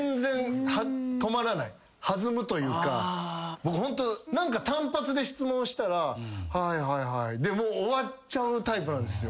僕ホント何か単発で質問したら「はいはいはい」で終わっちゃうタイプなんですよ。